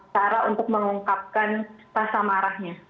cara untuk mengungkapkan rasa marahnya